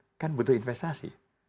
tapi kita butuh investasi